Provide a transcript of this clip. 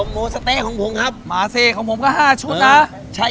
หรืออย่างนั้นเดี๋ยวผมไปเอาของล้านี้